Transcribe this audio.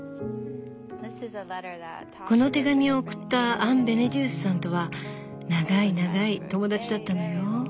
この手紙を送ったアン・ベネデュースさんとは長い長い友だちだったのよ。